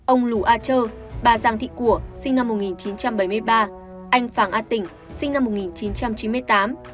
ông lù a chơ bà giàng thị của sinh năm một nghìn chín trăm bảy mươi ba anh phàng a tỉnh sinh năm một nghìn chín trăm chín mươi tám